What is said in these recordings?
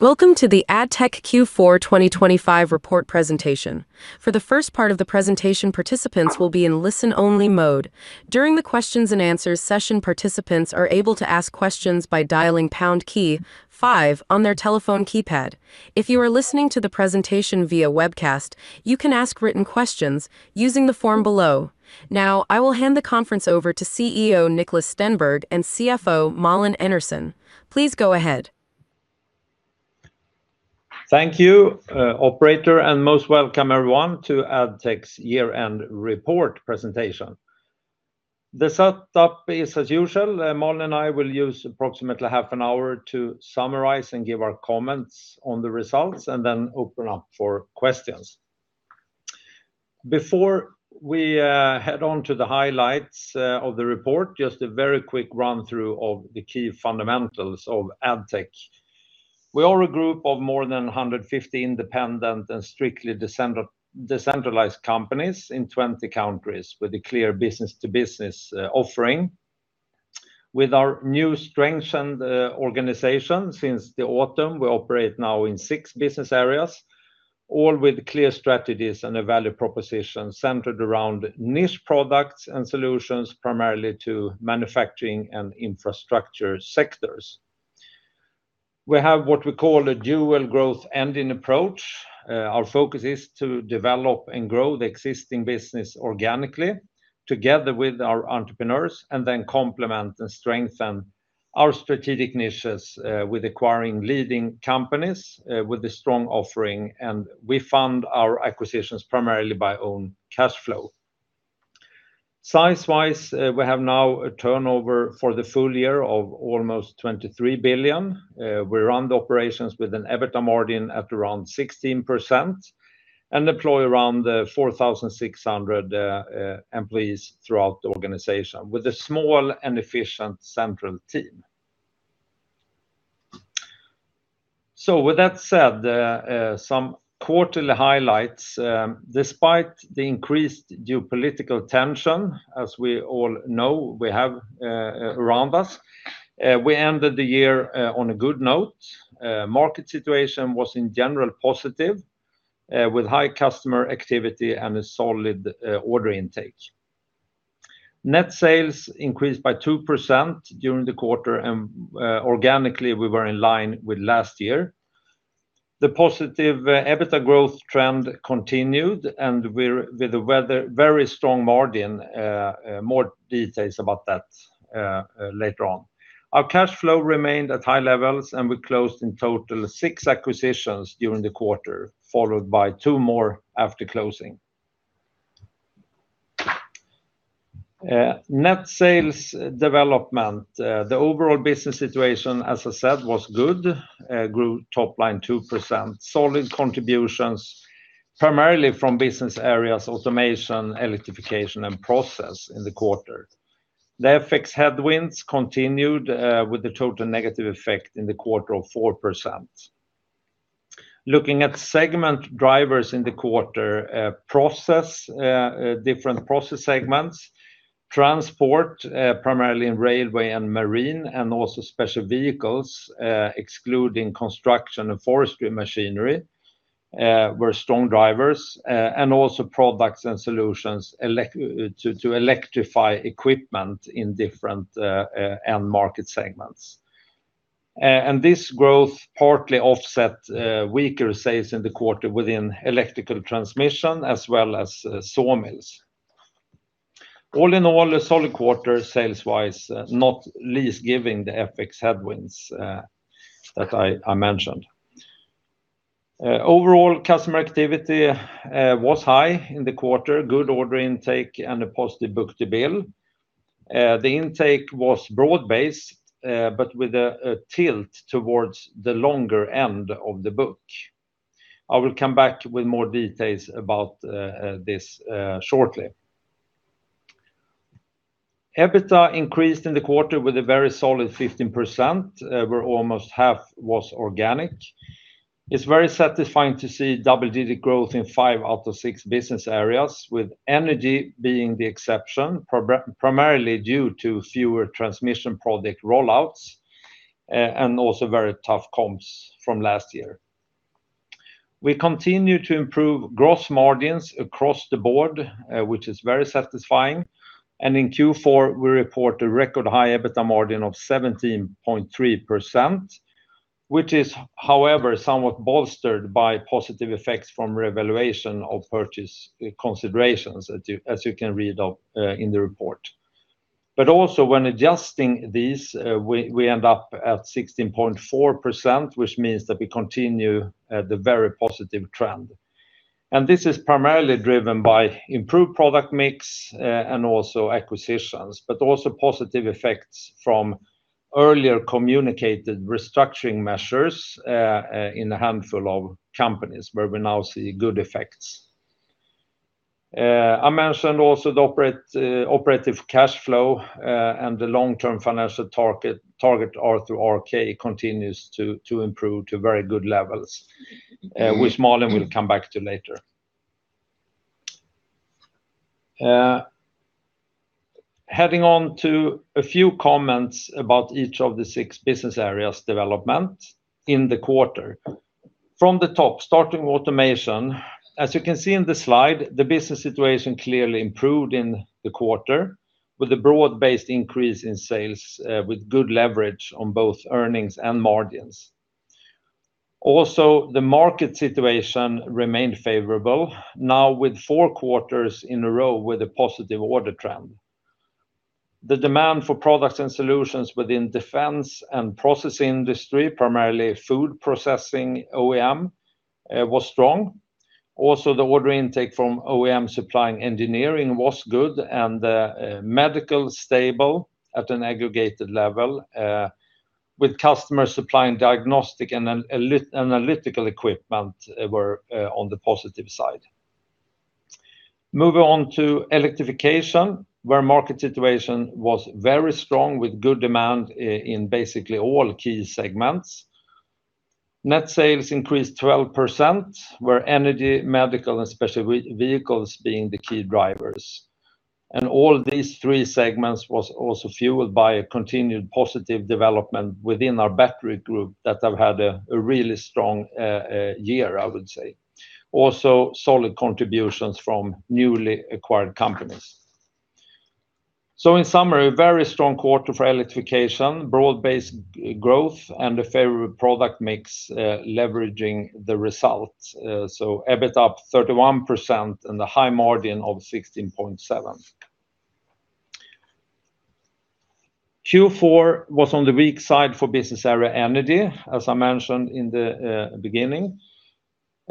Welcome to the Addtech Q4 2025 report presentation. For the first part of the presentation, participants will be in listen-only mode. During the questions-and-answers session, participants are able to ask questions by dialing pound key five on their telephone keypad. If you are listening to the presentation via webcast, you can ask written questions using the form below. Now, I will hand the conference over to CEO Niklas Stenberg and CFO Malin Enarson. Please go ahead. Thank you, operator. Most welcome everyone to Addtech's year-end report presentation. The setup is as usual: Malin and I will use approximately half an hour to summarize and give our comments on the results, then open up for questions. Before we head on to the highlights of the report, just a very quick run-through of the key fundamentals of Addtech. We are a group of more than 150 independent and strictly decentralized companies in 20 countries with a clear business-to-business offering. With our new strengthened organization since the autumn, we operate now in six business areas, all with clear strategies and a value proposition centered around niche products and solutions, primarily to manufacturing and infrastructure sectors. We have what we call a dual growth engine approach. Our focus is to develop and grow the existing business organically together with our entrepreneurs, and then complement and strengthen our strategic niches with acquiring leading companies with a strong offering. We fund our acquisitions primarily by own cash flow. Size-wise, we have now a turnover for the full year of almost 23 billion. We run the operations with an EBITDA margin at around 16% and employ around 4,600 employees throughout the organization with a small and efficient central team. With that said, some quarterly highlights: despite the increased geopolitical tension, as we all know we have around us, we ended the year on a good note. The market situation was in general positive with high customer activity and a solid order intake. Net sales increased by 2% during the quarter, and organically we were in line with last year. The positive EBITDA growth trend continued, with a very strong margin, more details about that later on. Our cash flow remained at high levels, we closed in total six acquisitions during the quarter, followed by two more after closing. Net sales development: the overall business situation, as I said, was good, grew top-line 2%, solid contributions primarily from business areas Automation, Electrification, and Process in the quarter. The FX headwinds continued with a total negative effect in the quarter of 4%. Looking at segment drivers in the quarter: different Process segments. Transport, primarily in railway and marine, also special vehicles, excluding construction and forestry machinery, were strong drivers, also products and solutions to electrify equipment in different end-market segments. This growth partly offset weaker sales in the quarter within electrical transmission as well as sawmills. All in all, a solid quarter sales-wise, not least giving the FX headwinds that I mentioned. Overall, customer activity was high in the quarter, good order intake, and a positive book-to-bill. The intake was broad-based but with a tilt towards the longer end of the book. I will come back with more details about this shortly. EBITDA increased in the quarter with a very solid 15%, where almost half was organic. It's very satisfying to see double-digit growth in five out of six business areas, with Energy being the exception primarily due to fewer transmission product rollouts and also very tough comps from last year. We continue to improve gross margins across the board, which is very satisfying. In Q4, we report a record high EBITDA margin of 17.3%, which is, however, somewhat bolstered by positive effects from revaluation of purchase considerations, as you can read in the report. Also, when adjusting these, we end up at 16.4%, which means that we continue the very positive trend. This is primarily driven by improved product mix and also acquisitions, but also positive effects from earlier communicated restructuring measures in a handful of companies where we now see good effects. I mentioned also the operative cash flow and the long-term financial target R/RK continues to improve to very good levels, which Malin will come back to later. Heading on to a few comments about each of the six business areas' development in the quarter. From the top, starting with Automation, as you can see in the slide, the business situation clearly improved in the quarter with a broad-based increase in sales with good leverage on both earnings and margins. Also, the market situation remained favorable, now with four quarters in a row with a positive order trend. The demand for products and solutions within defense and processing industry, primarily food processing OEM, was strong. Also, the order intake from OEM supplying engineering was good and medical stable at an aggregated level, with customers supplying diagnostic and analytical equipment on the positive side. Moving on to Electrification, where market situation was very strong with good demand in basically all key segments. Net sales increased 12%, with Energy, medical, and special vehicles being the key drivers. All these three segments were also fueled by continued positive development within our Battery group that have had a really strong year, I would say, also solid contributions from newly acquired companies. In summary, a very strong quarter for Electrification, broad-based growth, and a favorable product mix leveraging the results, so EBITDA up 31% and a high margin of 16.7%. Q4 was on the weak side for business area Energy, as I mentioned in the beginning.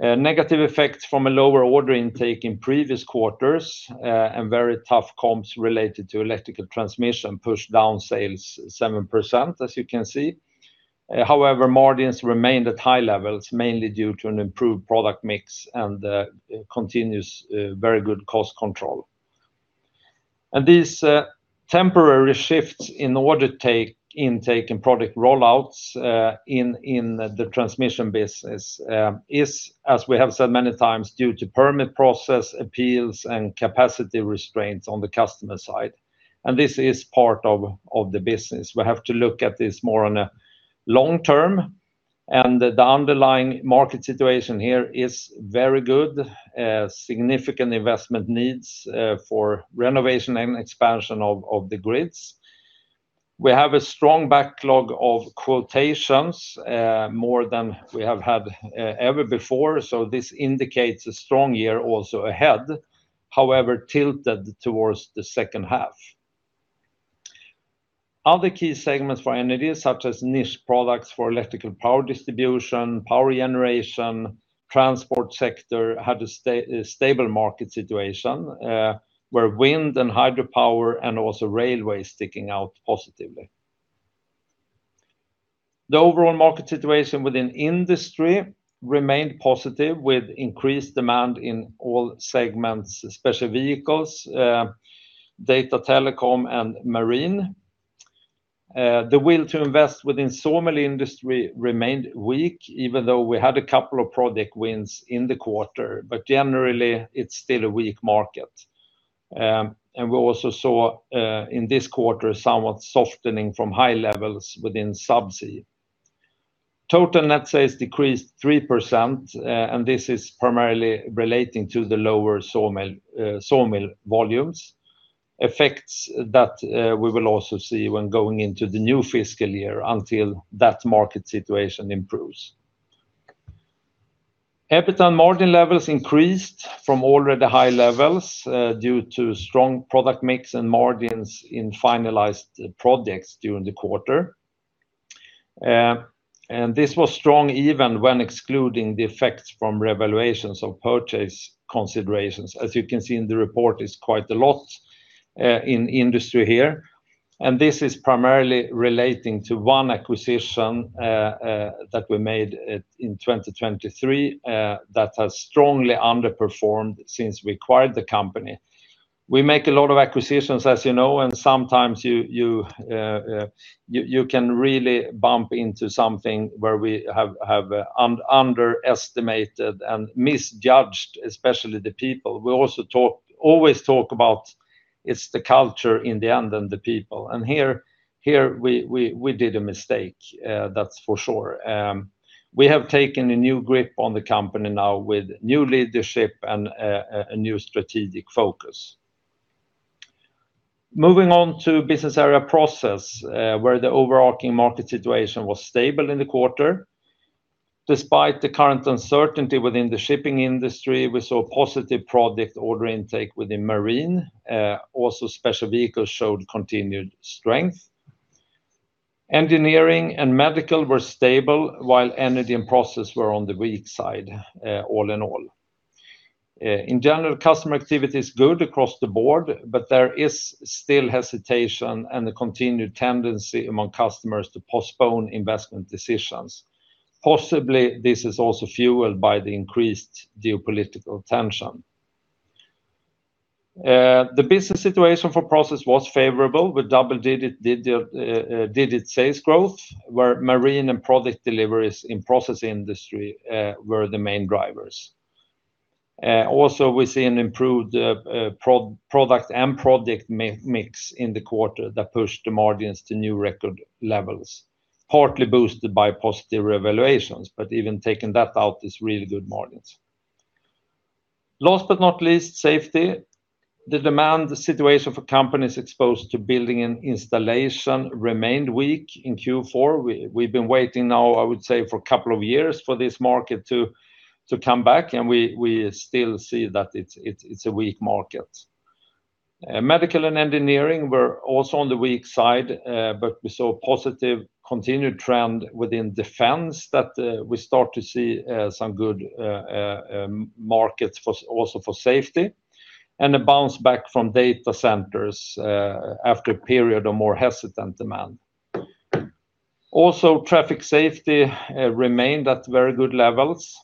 Negative effects from a lower order intake in previous quarters and very tough comps related to electrical transmission pushed down sales 7%, as you can see. However, margins remained at high levels, mainly due to an improved product mix and continuous very good cost control. These temporary shifts in order intake and product rollouts in the transmission business are, as we have said many times, due to permit process appeals and capacity restraints on the customer side. This is part of the business. We have to look at this more on a long term, and the underlying market situation here is very good, significant investment needs for renovation and expansion of the grids. We have a strong backlog of quotations more than we have had ever before, so this indicates a strong year also ahead, however tilted towards the second half. Other key segments for Energy, such as niche products for electrical power distribution, power generation, and transport sector, had a stable market situation with wind and hydropower and also railways sticking out positively. The overall market situation within Industry remained positive, with increased demand in all segments, especially vehicles, data telecom, and marine. The will to invest within sawmill industry remained weak, even though we had a couple of product wins in the quarter, but generally, it is still a weak market. We also saw, in this quarter, somewhat softening from high levels within subsea. Total net sales decreased 3%. This is primarily relating to the lower sawmill volumes, effects that we will also see when going into the new fiscal year until that market situation improves. EBITDA and margin levels increased from already high levels due to strong product mix and margins in finalized projects during the quarter. This was strong even when excluding the effects from revaluations of purchase considerations. As you can see in the report, it's quite a lot in Industry here. This is primarily relating to one acquisition that we made in 2023 that has strongly underperformed since we acquired the company. We make a lot of acquisitions, as you know. Sometimes you can really bump into something where we have underestimated and misjudged, especially the people. We also always talk about it's the culture in the end and the people. Here we did a mistake, that's for sure. We have taken a new grip on the company now with new leadership and a new strategic focus. Moving on to business area Process, where the overarching market situation was stable in the quarter. Despite the current uncertainty within the shipping industry, we saw positive product order intake within marine. Special vehicles showed continued strength. Engineering and medical were stable, while Energy and Process were on the weak side all in all. In general, customer activity is good across the board. There is still hesitation and a continued tendency among customers to postpone investment decisions. Possibly, this is also fueled by the increased geopolitical tension. The business situation for Process was favorable with double-digit digital sales growth, where marine and product deliveries in process industry were the main drivers. We see an improved product and project mix in the quarter that pushed the margins to new record levels, partly boosted by positive revaluations, but even taking that out, it's really good margins. Last but not least, Safety. The demand situation for companies exposed to building and installation remained weak in Q4. We've been waiting now, I would say, for a couple of years for this market to come back, and we still see that it's a weak market. Medical and engineering were also on the weak side, but we saw a positive continued trend within defense that we start to see some good markets also for Safety and a bounce back from data centers after a period of more hesitant demand. Safety remained at very good levels.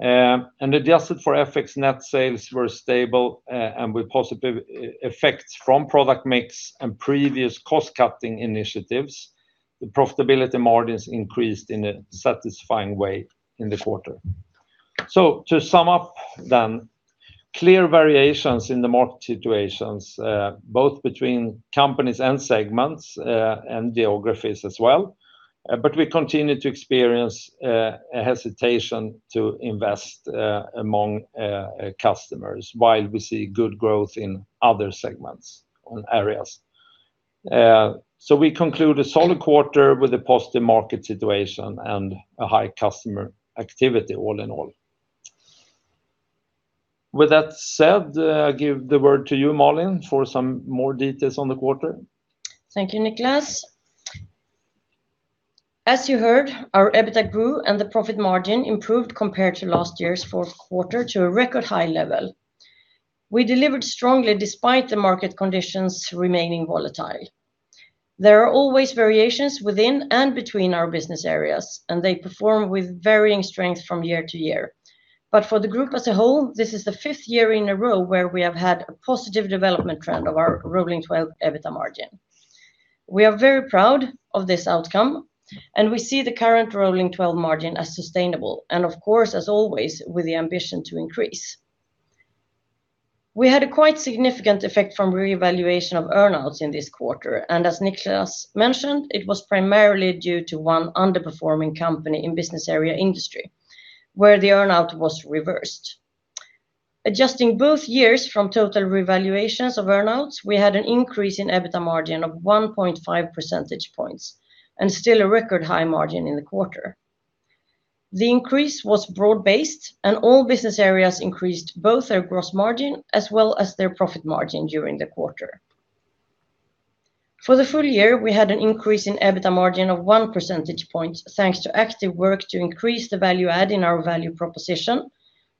Adjusted for FX, net sales were stable with positive effects from product mix and previous cost-cutting initiatives. The profitability margins increased in a satisfying way in the quarter. To sum up, clear variations in the market situations, both between companies and segments and geographies as well, we continue to experience hesitation to invest among customers while we see good growth in other segments and areas. We conclude a solid quarter with a positive market situation and a high customer activity all in all. With that said, I'll give the word to you, Malin, for some more details on the quarter. Thank you, Niklas. As you heard, our EBITDA grew and the profit margin improved compared to last year's fourth quarter to a record high level. We delivered strongly despite the market conditions remaining volatile. There are always variations within and between our business areas, and they perform with varying strength from year to year. For the group as a whole, this is the fifth year in a row where we have had a positive development trend of our rolling 12 EBITDA margin. We are very proud of this outcome, and we see the current rolling 12 margin as sustainable and, of course, as always, with the ambition to increase. We had a quite significant effect from revaluation of earnouts in this quarter, and as Niklas mentioned, it was primarily due to one underperforming company in business area Industry, where the earnout was reversed. Adjusting both years from total revaluations of earnouts, we had an increase in EBITDA margin of 1.5 percentage points and still a record high margin in the quarter. The increase was broad-based. All business areas increased both their gross margin as well as their profit margin during the quarter. For the full year, we had an increase in EBITDA margin of 1 percentage point thanks to active work to increase the value add in our value proposition,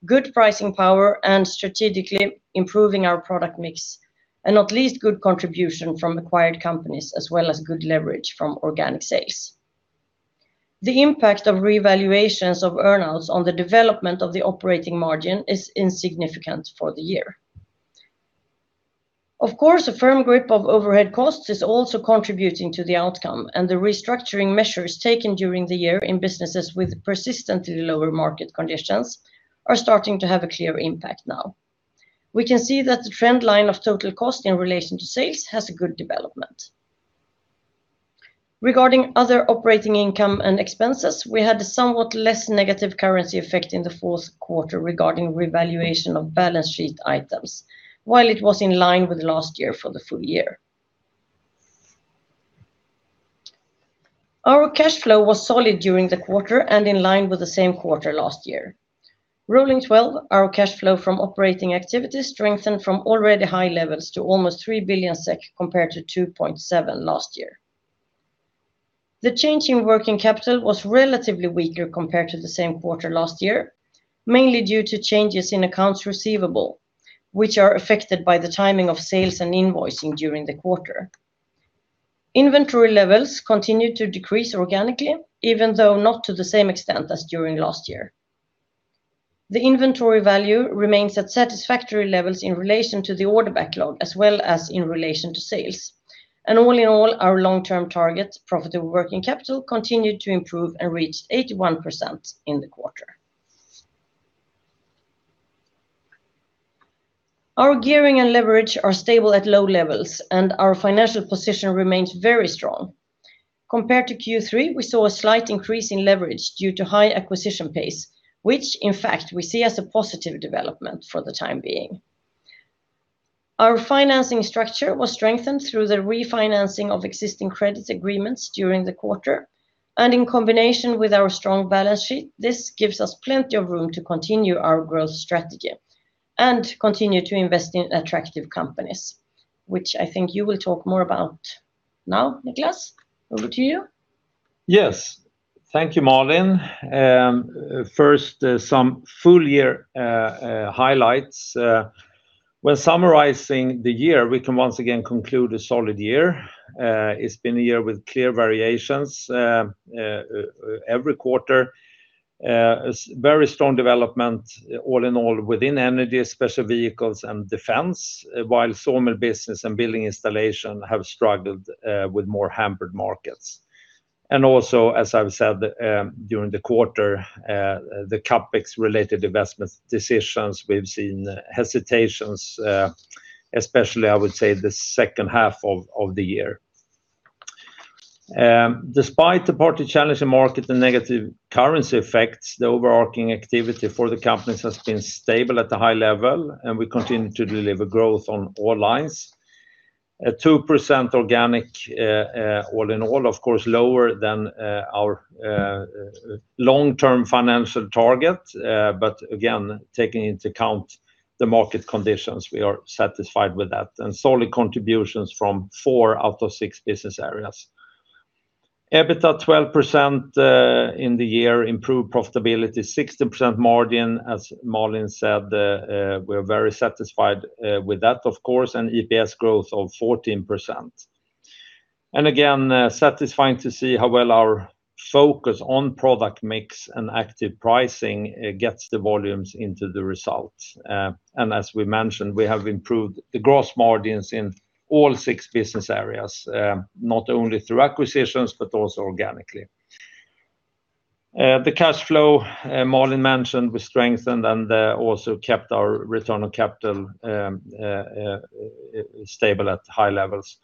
good pricing power, strategically improving our product mix, at least good contribution from acquired companies as well as good leverage from organic sales. The impact of revaluations of earnouts on the development of the operating margin is insignificant for the year. Of course, a firm grip of overhead costs is also contributing to the outcome. The restructuring measures taken during the year in businesses with persistently lower market conditions are starting to have a clear impact now. We can see that the trend line of total cost in relation to sales has a good development. Regarding other operating income and expenses, we had a somewhat less negative currency effect in the fourth quarter regarding revaluation of balance sheet items, while it was in line with last year for the full year. Our cash flow was solid during the quarter and in line with the same quarter last year. Rolling 12, our cash flow from operating activities strengthened from already high levels to almost 3 billion SEK compared to 2.7 billion last year. The change in working capital was relatively weaker compared to the same quarter last year, mainly due to changes in accounts receivable, which are affected by the timing of sales and invoicing during the quarter. Inventory levels continued to decrease organically, even though not to the same extent as during last year. The inventory value remains at satisfactory levels in relation to the order backlog as well as in relation to sales, all in all, our long-term target, profitable working capital, continued to improve and reached 81% in the quarter. Our gearing and leverage are stable at low levels, our financial position remains very strong. Compared to Q3, we saw a slight increase in leverage due to high acquisition pace, which, in fact, we see as a positive development for the time being. Our financing structure was strengthened through the refinancing of existing credit agreements during the quarter, in combination with our strong balance sheet, this gives us plenty of room to continue our growth strategy, continue to invest in attractive companies, which I think you will talk more about now, Niklas. Over to you. Yes. Thank you, Malin. First, some full-year highlights. When summarizing the year, we can once again conclude a solid year. It's been a year with clear variations every quarter. Very strong development all in all within Energy, special vehicles, and defense, while sawmill business and building installation have struggled with more hampered markets. Also, as I've said during the quarter, the CapEx-related investment decisions, we've seen hesitations, especially, I would say, the second half of the year. Despite the partly challenge in market and negative currency effects, the overarching activity for the companies has been stable at a high level, and we continue to deliver growth on all lines. A 2% organic all in all, of course, lower than our long-term financial target, but again, taking into account the market conditions, we are satisfied with that and solid contributions from four out of six business areas. EBITDA 12% in the year, improved profitability, 16% margin. As Malin said, we are very satisfied with that, of course, and EPS growth of 14%. Again, satisfying to see how well our focus on product mix and active pricing gets the volumes into the results. As we mentioned, we have improved the gross margins in all six business areas, not only through acquisitions but also organically. The cash flow, Malin mentioned, we strengthened and also kept our return on capital stable at high levels.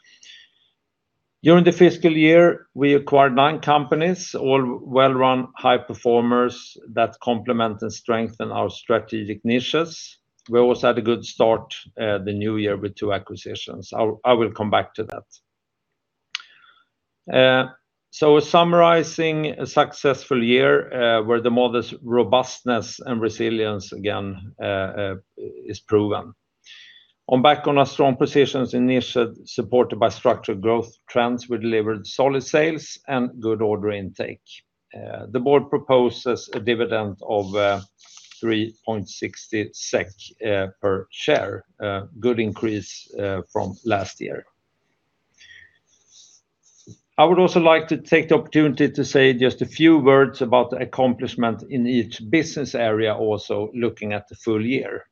During the fiscal year, we acquired nine companies, all well-run, high performers that complement and strengthen our strategic niches. We also had a good start the new year with two acquisitions. I will come back to that. Summarizing a successful year where the model's robustness and resilience, again, is proven. Back on our strong positions in niches supported by structured growth trends, we delivered solid sales and good order intake. The board proposes a dividend of 3.60 SEK per share, a good increase from last year. I would also like to take the opportunity to say just a few words about the accomplishment in each business area, also looking at the full year.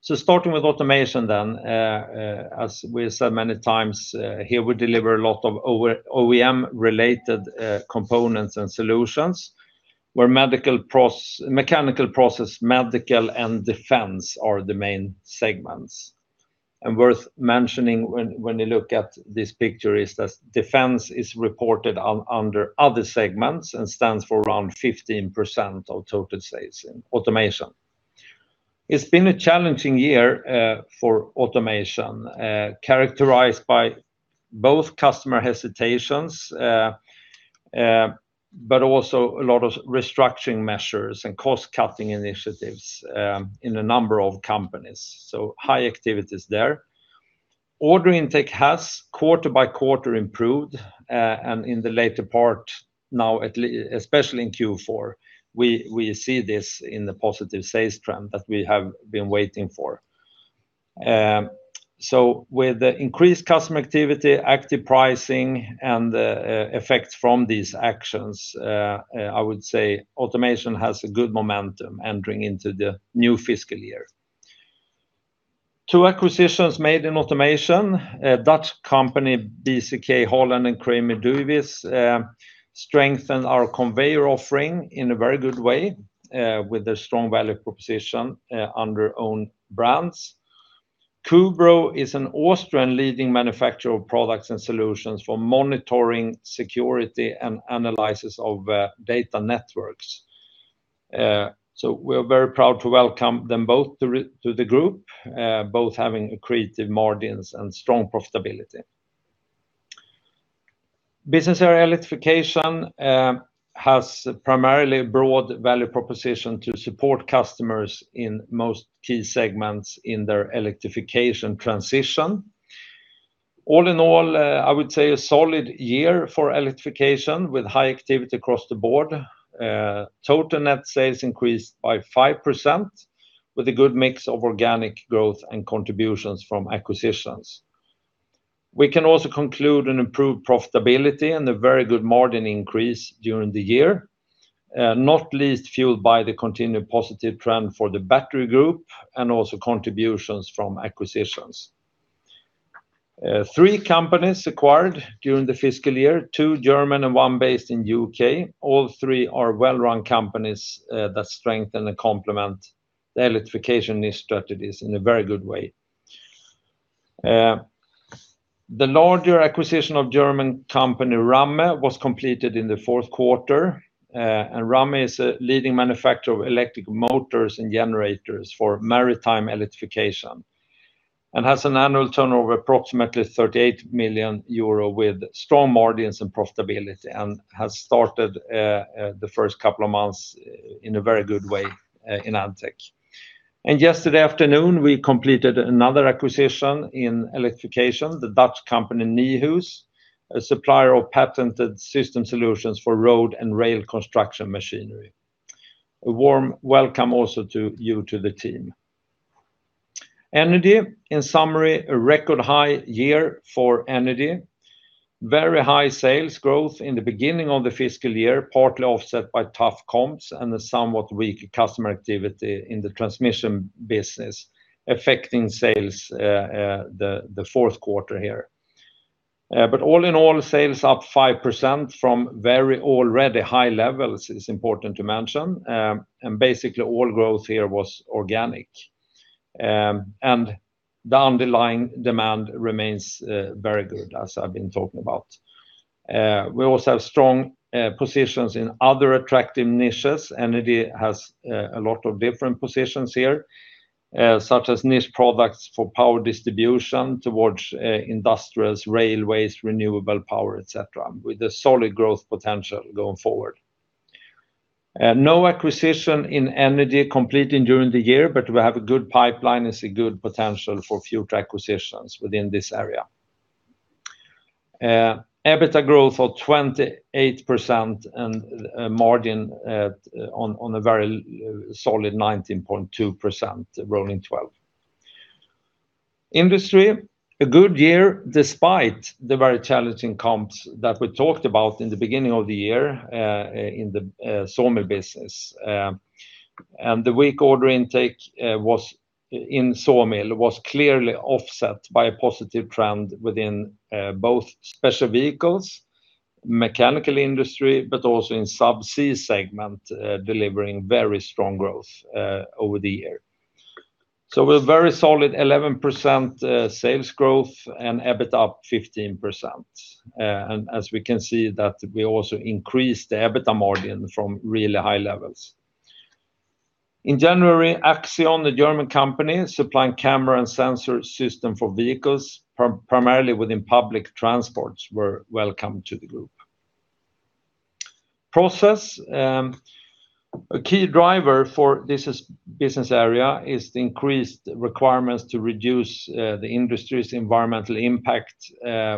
Starting with Automation then, as we said many times, here we deliver a lot of OEM-related components and solutions where mechanical process, medical, and defense are the main segments. Worth mentioning when you look at this picture is that defense is reported under other segments and stands for around 15% of total sales in Automation. It's been a challenging year for Automation, characterized by both customer hesitations but also a lot of restructuring measures and cost-cutting initiatives in a number of companies. High activities there. Order intake has quarter by quarter improved, and in the later part now, especially in Q4, we see this in the positive sales trend that we have been waiting for. With increased customer activity, active pricing, and effects from these actions, I would say Automation has a good momentum entering into the new fiscal year. Two acquisitions made in Automation, a Dutch company, BCK Holland and Kramer & Duyvis, strengthened our conveyor offering in a very good way with their strong value proposition under own brands. Cubro is an Austrian leading manufacturer of products and solutions for monitoring, security, and analysis of data networks. We are very proud to welcome them both to the group, both having creative margins and strong profitability. Business area Electrification has primarily a broad value proposition to support customers in most key segments in their Electrification transition. All in all, I would say a solid year for Electrification with high activity across the board. Total net sales increased by 5% with a good mix of organic growth and contributions from acquisitions. We can also conclude an improved profitability and a very good margin increase during the year, not least fueled by the continued positive trend for the Battery Systems and also contributions from acquisitions. Three companies acquired during the fiscal year, two German and one based in the U.K. All three are well-run companies that strengthen and complement the Electrification niche strategies in a very good way. The larger acquisition of German company RAMME was completed in the fourth quarter. RAMME is a leading manufacturer of electric motors and generators for maritime electrification and has an annual turnover of approximately 38 million euro with strong margins and profitability and has started the first couple of months in a very good way in Addtech. Yesterday afternoon, we completed another acquisition in Electrification, the Dutch company Nijhuis, a supplier of patented system solutions for road and rail construction machinery. A warm welcome also to you to the team. Energy, in summary, a record high year for energy. Very high sales growth in the beginning of the fiscal year, partly offset by tough comps and the somewhat weak customer activity in the transmission business affecting sales the fourth quarter here. All in all, sales up 5% from very already high levels, it's important to mention. Basically, all growth here was organic. The underlying demand remains very good, as I've been talking about. We also have strong positions in other attractive niches. Energy has a lot of different positions here, such as niche products for power distribution towards industrials, railways, renewable power, etc., with a solid growth potential going forward. No acquisition in Energy completing during the year. We have a good pipeline and see good potential for future acquisitions within this area. EBITDA growth of 28%. Margin on a very solid 19.2% rolling 12. Industry, a good year despite the very challenging comps that we talked about in the beginning of the year in the sawmill business. The weak order intake in sawmill was clearly offset by a positive trend within both special vehicles, mechanical industry, but also in subsea segment delivering very strong growth over the year. We have very solid 11% sales growth and EBITDA up 15%, as we can see that we also increased the EBITDA margin from really high levels. In January, Axion, a German company supplying camera and sensor systems for vehicles, primarily within public transports, were welcomed to the group. Process, a key driver for this business area, is the increased requirements to reduce the industry's environmental impact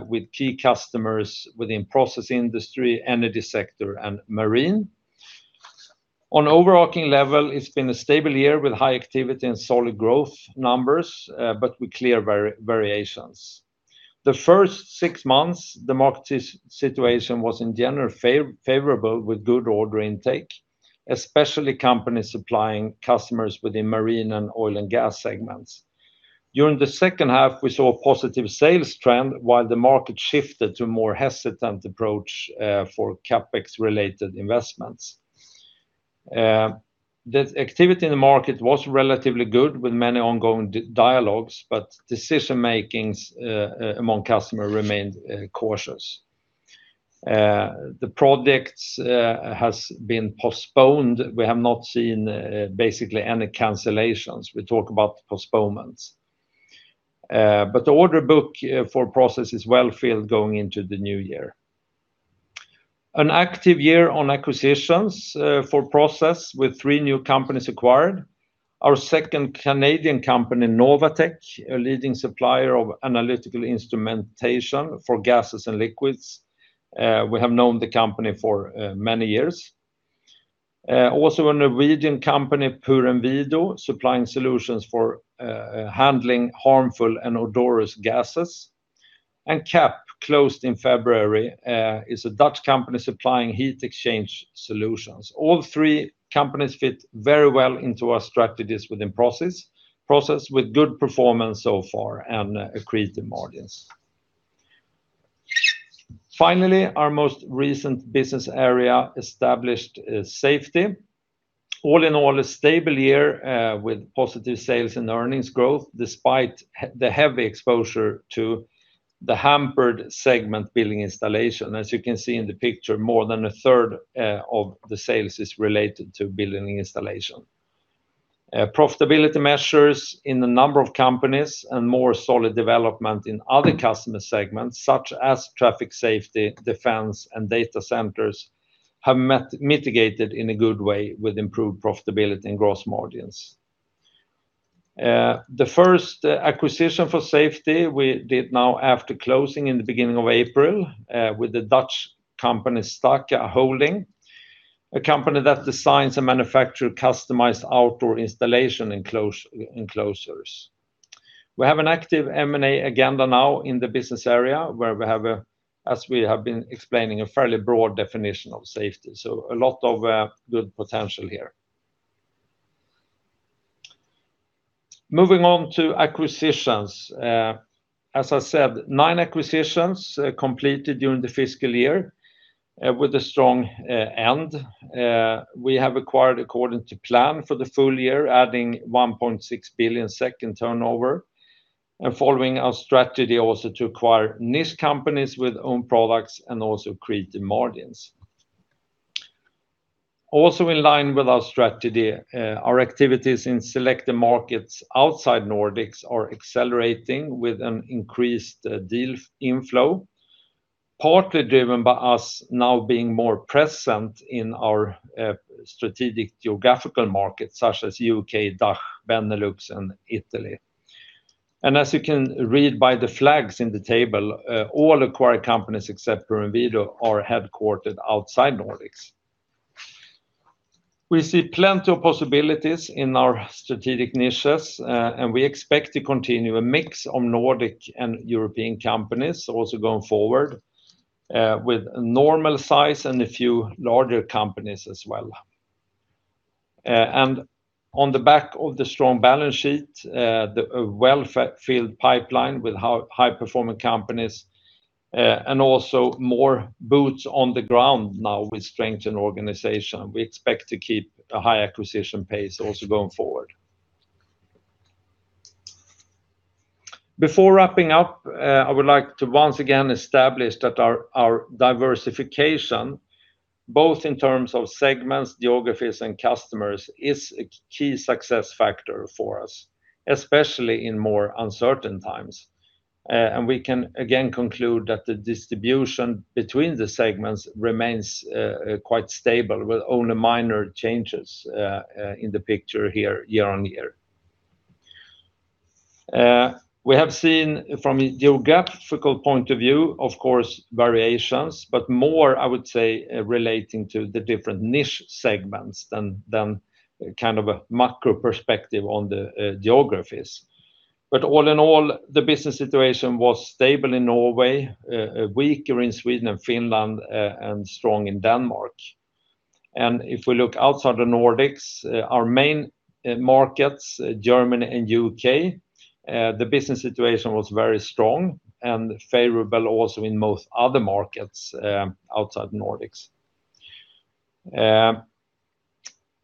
with key customers within process industry, energy sector, and marine. On overarching level, it's been a stable year with high activity and solid growth numbers, but with clear variations. The first six months, the market situation was, in general, favorable with good order intake, especially companies supplying customers within marine and oil and gas segments. During the second half, we saw a positive sales trend while the market shifted to a more hesitant approach for CapEx-related investments. The activity in the market was relatively good with many ongoing dialogues, but decision-making among customers remained cautious. The project has been postponed. We have not seen basically any cancellations. We talk about postponements. The order book for Process is well filled going into the new year. An active year on acquisitions for Process with three new companies acquired. Our second Canadian company, Novatech, a leading supplier of analytical instrumentation for gases and liquids. We have known the company for many years. Also, a Norwegian company, Purenviro, supplying solutions for handling harmful and odorous gases. Kapp, closed in February, is a Dutch company supplying heat exchange solutions. All three companies fit very well into our strategies within process with good performance so far and creative margins. Finally, our most recent business area, established Safety. A stable year with positive sales and earnings growth despite the heavy exposure to the hampered segment building installation. As you can see in the picture, more than one third of the sales is related to building installation. Profitability measures in a number of companies and more solid development in other customer segments, such as traffic safety, defense, and data centers, have mitigated in a good way with improved profitability and gross margins. The first acquisition for Safety we did now after closing in the beginning of April with the Dutch company Staka Holding, a company that designs and manufactures customized outdoor installation enclosures. We have an active M&A agenda now in the business area where we have, as we have been explaining, a fairly broad definition of Safety. A lot of good potential here. Moving on to acquisitions, as I said, nine acquisitions completed during the fiscal year with a strong end. We have acquired according to plan for the full year, adding 1.6 billion turnover and following our strategy also to acquire niche companies with own products and also creative margins. Also in line with our strategy, our activities in selected markets outside Nordics are accelerating with an increased deal inflow, partly driven by us now being more present in our strategic geographical markets such as the U.K., DACH, Benelux, and Italy. As you can read by the flags in the table, all acquired companies except Purenviro are headquartered outside Nordics. We see plenty of possibilities in our strategic niches, and we expect to continue a mix of Nordic and European companies also going forward with normal size and a few larger companies as well. On the back of the strong balance sheet, a well-filled pipeline with high-performing companies and also more boots on the ground now with strength in organization, we expect to keep a high acquisition pace also going forward. Before wrapping up, I would like to once again establish that our diversification, both in terms of segments, geographies, and customers, is a key success factor for us, especially in more uncertain times. We can, again, conclude that the distribution between the segments remains quite stable with only minor changes in the picture here year-on-year. We have seen, from a geographical point of view, of course, variations, but more, I would say, relating to the different niche segments than kind of a macro perspective on the geographies. All in all, the business situation was stable in Norway, weaker in Sweden and Finland, and strong in Denmark. If we look outside the Nordics, our main markets, Germany and U.K., the business situation was very strong and favorable also in most other markets outside the Nordics. The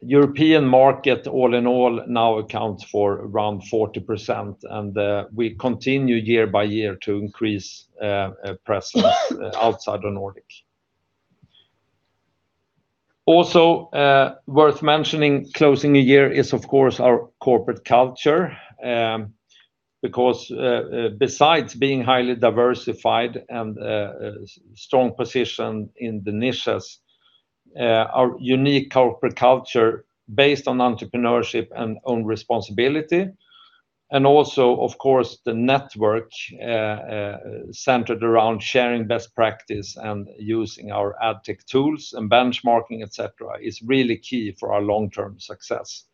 European market, all in all, now accounts for around 40%, and we continue year by year to increase presence outside the Nordic. Worth mentioning, closing the year is, of course, our corporate culture because, besides being highly diversified and strong positioned in the niches, our unique corporate culture based on entrepreneurship and own responsibility, and also, of course, the network centered around sharing best practice and using our Addtech tools and benchmarking, etc., is really key for our long-term success.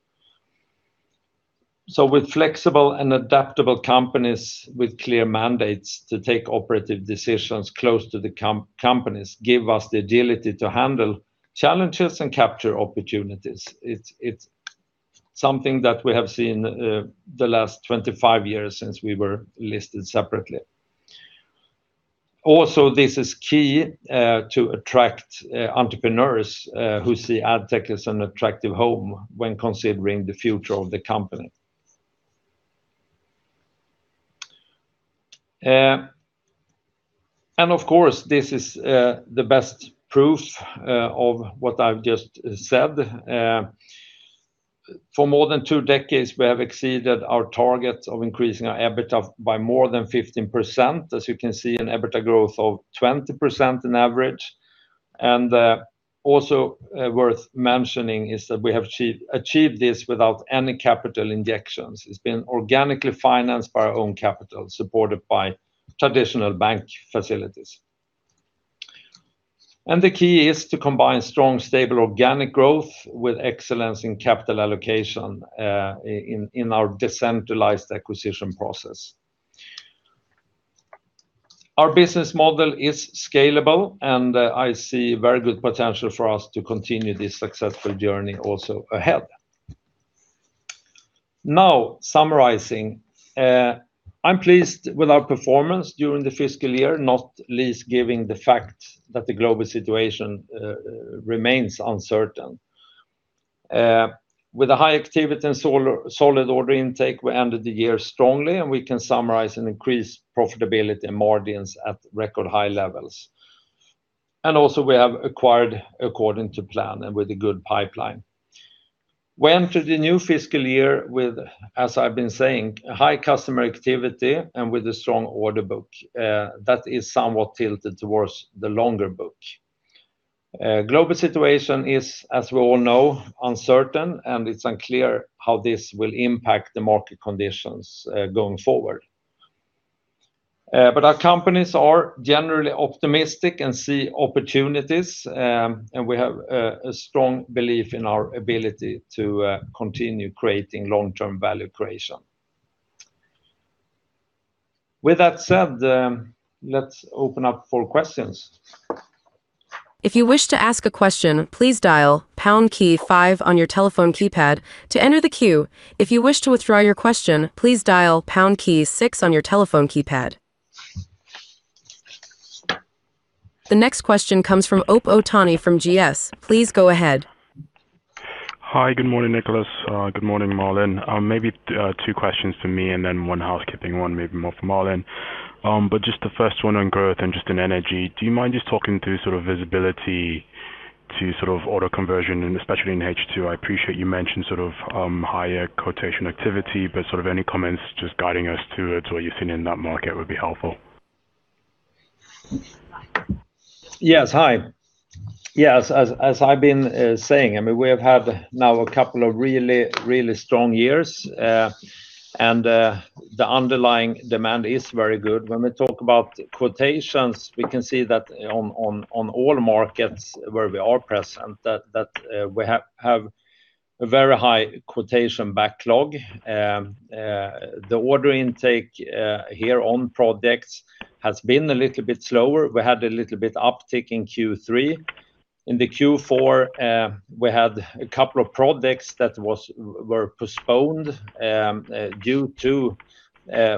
With flexible and adaptable companies with clear mandates to take operative decisions close to the companies, give us the agility to handle challenges and capture opportunities. It's something that we have seen the last 25 years since we were listed separately. This is key to attract entrepreneurs who see Addtech as an attractive home when considering the future of the company. This is the best proof of what I've just said. For more than two decades, we have exceeded our targets of increasing our EBITDA by more than 15%, as you can see, an EBITDA growth of 20% on average. Also, worth mentioning is that we have achieved this without any capital injections. It's been organically financed by our own capital supported by traditional bank facilities. The key is to combine strong, stable, organic growth with excellence in capital allocation in our decentralized acquisition process. Our business model is scalable, and I see very good potential for us to continue this successful journey also ahead. Now, summarizing, I'm pleased with our performance during the fiscal year, not least given the fact that the global situation remains uncertain. With a high activity and solid order intake, we ended the year strongly, and we can summarize an increased profitability and margins at record high levels. We have acquired according to plan and with a good pipeline. We entered the new fiscal year with, as I've been saying, high customer activity and with a strong order book that is somewhat tilted towards the longer book. The global situation is, as we all know, uncertain, and it's unclear how this will impact the market conditions going forward. Our companies are generally optimistic and see opportunities, and we have a strong belief in our ability to continue creating long-term value creation. With that said, let's open up for questions. The next question comes from Ope Otaniyi from GS. Please go ahead. Hi, good morning, Niklas. Good morning, Malin. Maybe two questions for me and then one housekeeping one, maybe more for Malin. Just the first one on growth and just in Energy, do you mind just talking through visibility to order conversion, especially in H2? I appreciate you mentioned higher quotation activity, but any comments just guiding us towards what you've seen in that market would be helpful. Yes, hi. As I've been saying, we have had now a couple of really strong years, and the underlying demand is very good. When we talk about quotations, we can see that on all markets where we are present, we have a very high quotation backlog. The order intake here on projects has been a little bit slower. We had a little bit uptick in Q3. In the Q4, we had a couple of projects that were postponed due to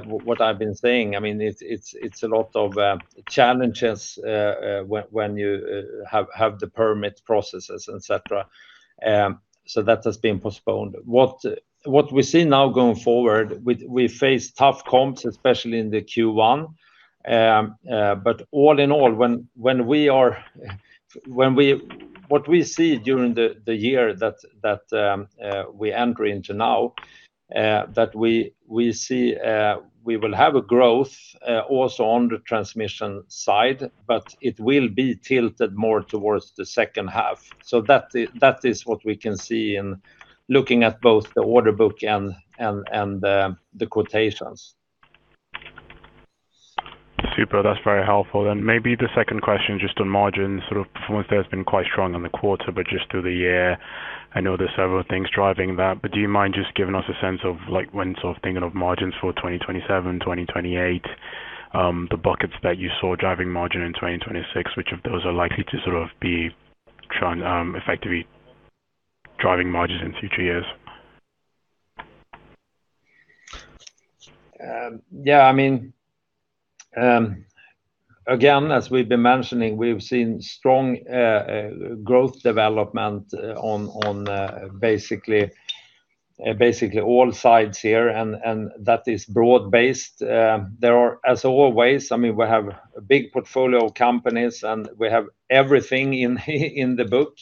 what I've been saying. It's a lot of challenges when you have the permit processes, etc. That has been postponed. What we see now going forward, we face tough comps, especially in the Q1. All in all, what we see during the year that we enter into now, we see we will have growth also on the transmission side. It will be tilted more towards the second half. That is what we can see in looking at both the order book and the quotations. Super. That's very helpful. Maybe the second question just on margins. Performance there has been quite strong in the quarter. Just through the year, I know there's several things driving that. Do you mind just giving us a sense of when thinking of margins for 2027, 2028, the buckets that you saw driving margin in 2026, which of those are likely to effectively driving margins in future years? Again, as we've been mentioning, we've seen strong growth development on basically all sides here, and that is broad-based. As always, we have a big portfolio of companies, and we have everything in the book.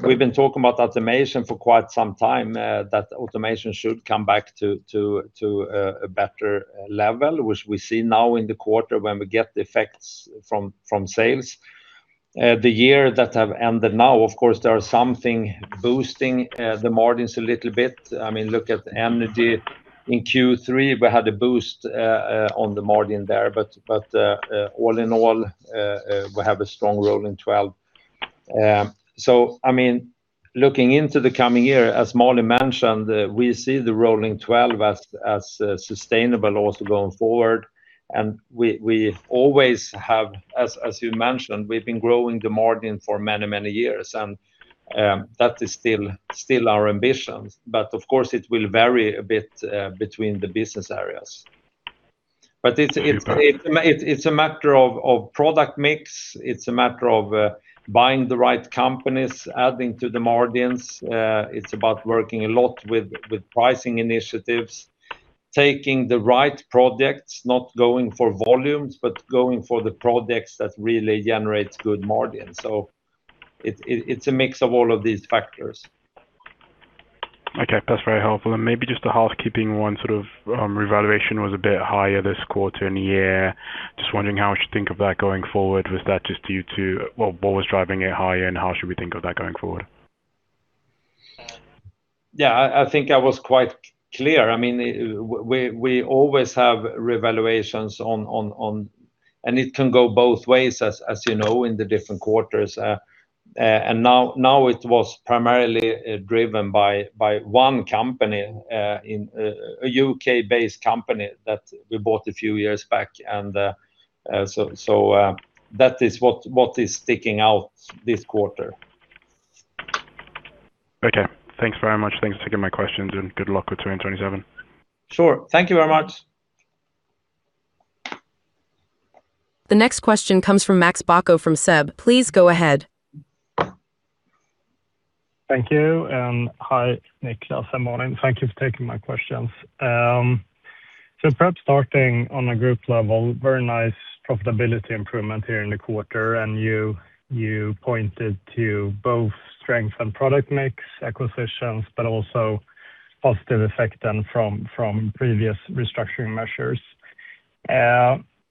We've been talking about Automation for quite some time, that Automation should come back to a better level, which we see now in the quarter when we get the effects from sales. The year that have ended now, of course, there is something boosting the margins a little bit. Look at Energy. In Q3, we had a boost on the margin there. All in all, we have a strong rolling 12. Looking into the coming year, as Malin mentioned, we see the rolling 12 as sustainable also going forward. As you mentioned, we've been growing the margin for many years. That is still our ambition. Of course, it will vary a bit between the business areas. It's a matter of product mix. It's a matter of buying the right companies, adding to the margins. It's about working a lot with pricing initiatives, taking the right projects, not going for volumes, but going for the projects that really generate good margins. It's a mix of all of these factors. Okay. That's very helpful. Maybe just a housekeeping one. Revaluation was a bit higher this quarter and year. Just wondering how you should think of that going forward. Was that just due to what was driving it higher, and how should we think of that going forward? I think I was quite clear. We always have revaluations, and it can go both ways, as you know, in the different quarters. Now, it was primarily driven by one company, a U.K.-based company that we bought a few years back, and that is what is sticking out this quarter. Okay. Thanks very much. Thanks for taking my questions, and good luck with 2027. Sure. Thank you very much. The next question comes from Max Bacco from SEB. Please go ahead. Thank you. Hi, Niklas. Good morning. Thank you for taking my questions. Perhaps starting on a group level, very nice profitability improvement here in the quarter, and you pointed to both strength and product mix, acquisitions, but also positive effect from previous restructuring measures.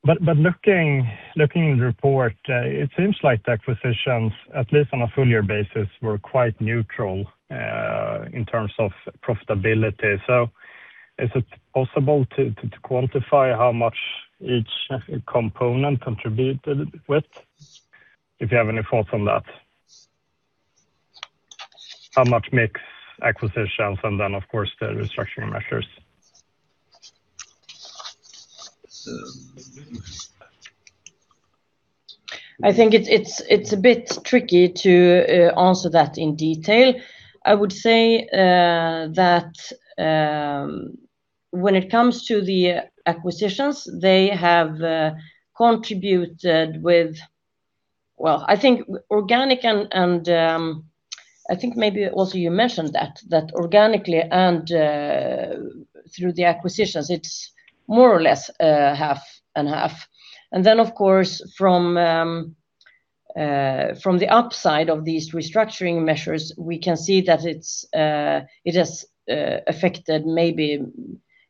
Looking in the report, it seems like the acquisitions, at least on a full-year basis, were quite neutral in terms of profitability. Is it possible to quantify how much each component contributed with? If you have any thoughts on that, how much mix, acquisitions, and then, of course, the restructuring measures? I think it's a bit tricky to answer that in detail. I would say that when it comes to the acquisitions, they have contributed with organically and through the acquisitions, it's more or less half and half. Of course, from the upside of these restructuring measures, we can see that it has affected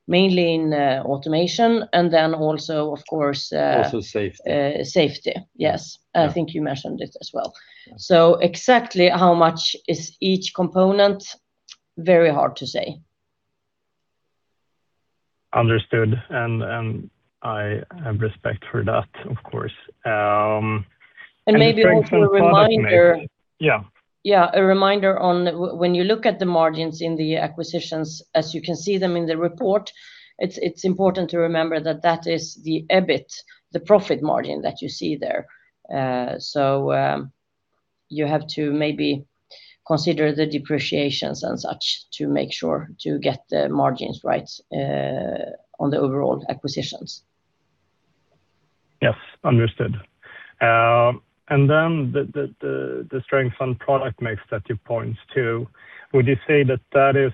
mainly in Automation and then also, of course. Also Safety. Safety, yes. I think you mentioned it as well. Exactly how much is each component, very hard to say. Understood, and I have respect for that, of course. Maybe also a reminder. Yeah. A reminder on when you look at the margins in the acquisitions, as you can see them in the report, it's important to remember that that is the EBIT, the profit margin that you see there. You have to maybe consider the depreciations and such to make sure to get the margins right on the overall acquisitions. Yes, understood. The strength and product mix that you point to, would you say that that is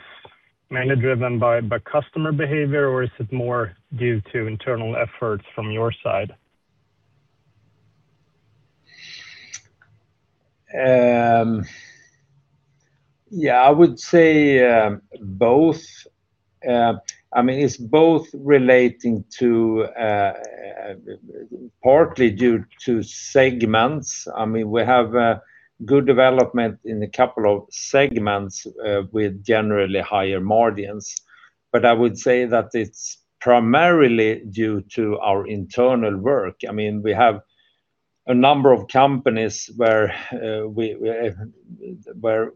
mainly driven by customer behavior, or is it more due to internal efforts from your side? I would say both. It's both relating to partly due to segments. We have good development in a couple of segments with generally higher margins, but I would say that it's primarily due to our internal work. We have a number of companies where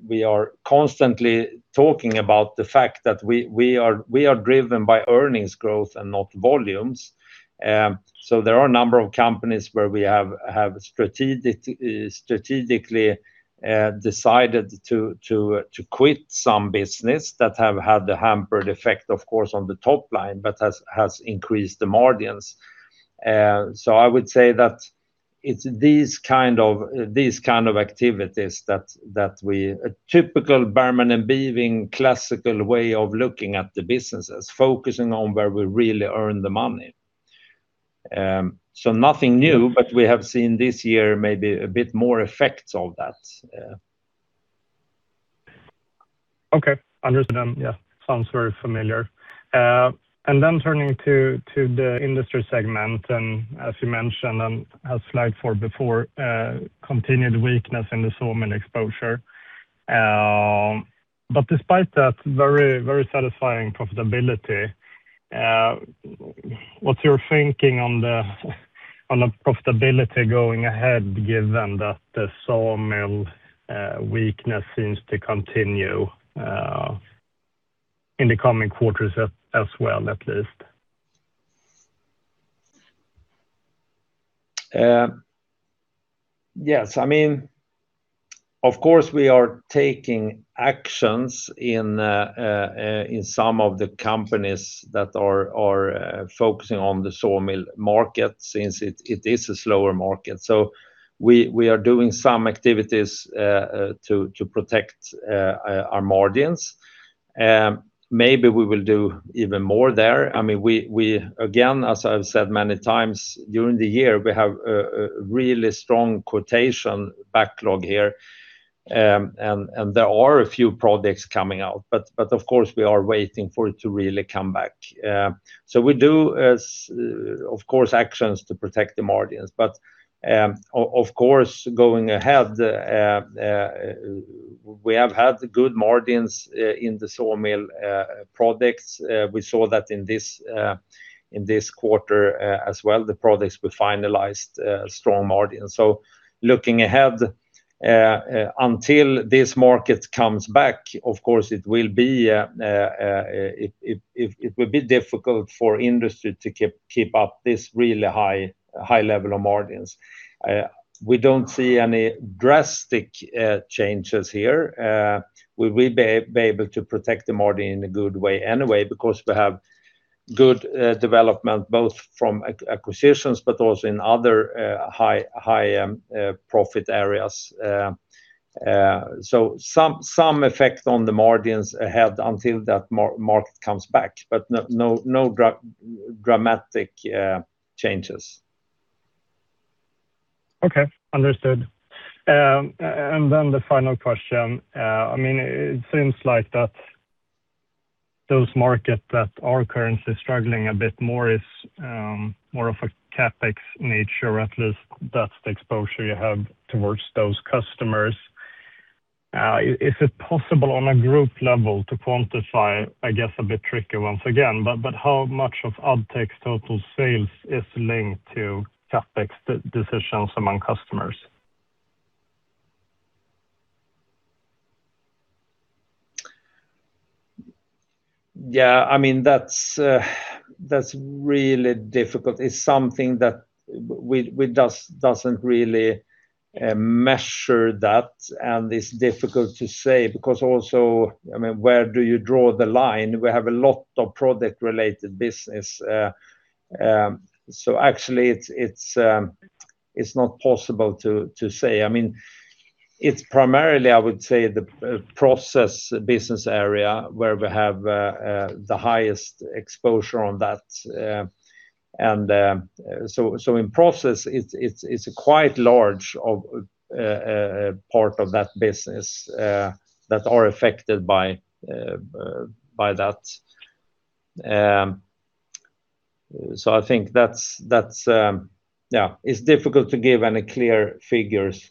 we are constantly talking about the fact that we are driven by earnings growth and not volumes. There are a number of companies where we have strategically decided to quit some business that have had the hampered effect, of course, on the top line, but has increased the margins. I would say that it's these kind of activities that we a typical Bergman & Beving classical way of looking at the businesses, focusing on where we really earn the money. Nothing new, but we have seen this year maybe a bit more effects of that. Okay. Understood. Sounds very familiar. Turning to the Industry segment, as you mentioned and as slide four before, continued weakness in the sawmill exposure. Despite that very satisfying profitability, what's your thinking on the profitability going ahead given that the sawmill weakness seems to continue in the coming quarters as well, at least? We are taking actions in some of the companies that are focusing on the sawmill market since it is a slower market. We are doing some activities to protect our margins. Maybe we will do even more there. As I've said many times, during the year, we have a really strong quotation backlog here, and there are a few projects coming out. We are waiting for it to really come back. We do, of course, actions to protect the margins, but of course, going ahead, we have had good margins in the sawmill projects. We saw that in this quarter as well, the projects we finalized strong margins. Looking ahead, until this market comes back, of course, it will be difficult for industry to keep up this really high level of margins. We don't see any drastic changes here. We will be able to protect the margin in a good way anyway because we have good development both from acquisitions but also in other high-profit areas. Some effect on the margins ahead until that market comes back, but no dramatic changes. Okay. Understood. The final question. It seems like those markets that are currently struggling a bit more is more of a CapEx nature, at least that's the exposure you have towards those customers. Is it possible on a group level to quantify? I guess a bit tricky once again, but how much of Addtech's total sales is linked to CapEx decisions among customers? That's really difficult. It's something that we doesn't really measure that, and it's difficult to say because also, where do you draw the line? We have a lot of product-related business, so actually, it's not possible to say. It's primarily, I would say, the Process business area where we have the highest exposure on that. In Process, it's quite large part of that business that are affected by that. I think it's difficult to give any clear figures.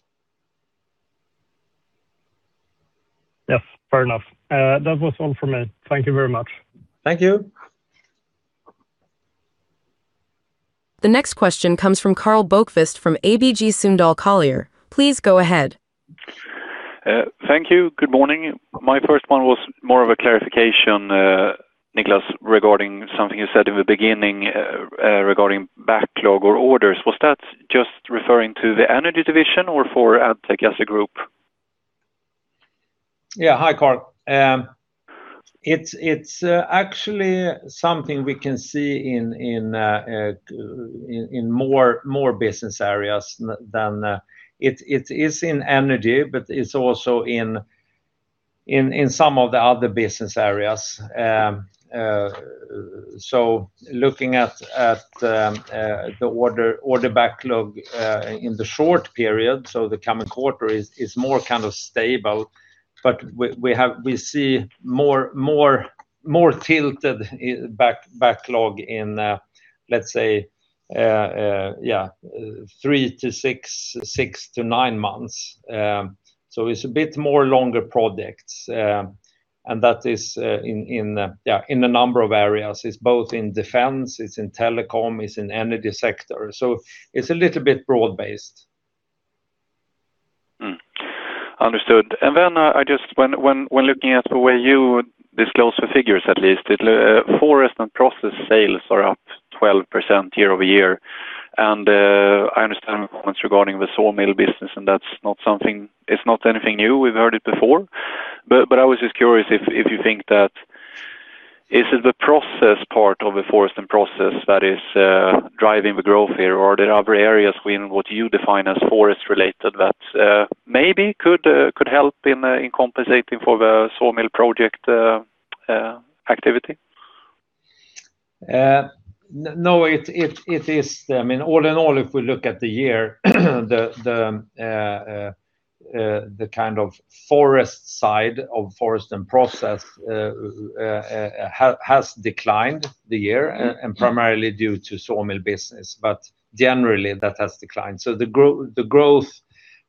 Yes, fair enough. That was all from me. Thank you very much. Thank you. The next question comes from Karl Bokvist from ABG Sundal Collier. Please go ahead. Thank you. Good morning. My first one was more of a clarification, Niklas, regarding something you said in the beginning regarding backlog or orders. Was that just referring to the Energy division or for Addtech as a group? Hi, Karl. It's actually something we can see in more business areas than it is in Energy, but it's also in some of the other business areas. Looking at the order backlog in the short period, the coming quarter is more stable, but we see more tilted backlog in, let's say, three to six to nine months. It's a bit more longer projects. That is in a number of areas. It's both in defense, it's in telecom, it's in Energy sector. It's a little bit broad-based. Understood. When looking at the way you disclose the figures, at least, forest and Process sales are up 12% year-over-year. I understand the comments regarding the sawmill business. That's not anything new. We've heard it before, but I was just curious if you think that is it the process part of the forest and process that is driving the growth here, or are there other areas within what you define as forest-related that maybe could help in compensating for the sawmill project activity? No, it is. All in all, if we look at the year, the kind of forest side of forest and Process has declined the year and primarily due to sawmill business, but generally, that has declined. The growth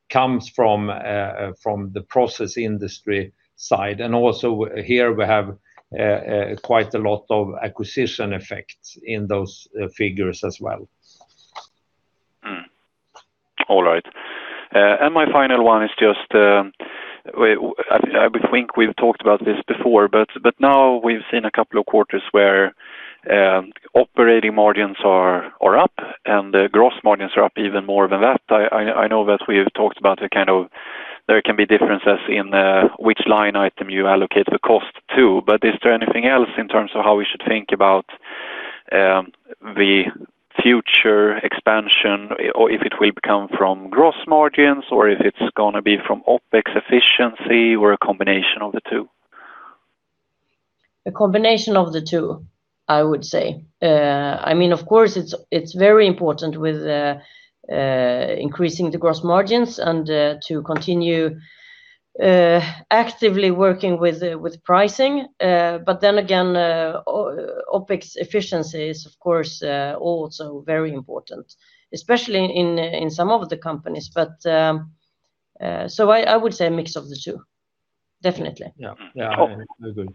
comes from the process industry side, and also here, we have quite a lot of acquisition effects in those figures as well. All right. My final one is just I think we've talked about this before, but now we've seen a couple of quarters where operating margins are up and gross margins are up even more than that. I know that we've talked about the kind of there can be differences in which line item you allocate the cost to, but is there anything else in terms of how we should think about the future expansion or if it will become from gross margins or if it's going to be from OpEx efficiency or a combination of the two? A combination of the two, I would say. Of course, it's very important with increasing the gross margins and to continue actively working with pricing. OpEx efficiency is, of course, also very important, especially in some of the companies. I would say a mix of the two, definitely. Yeah, I agree.